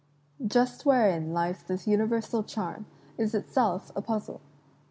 Just wherein lies this imiversal charm, is itself a puzzle.